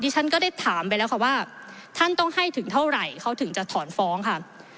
ฉันก็ได้ถามไปแล้วค่ะว่าท่านต้องให้ถึงเท่าไหร่เขาถึงจะถอนฟ้องค่ะ